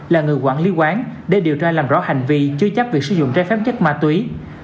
là người quản lý quán để điều tra làm rõ hành vi chứa chấp việc sử dụng trái phép chất ma túy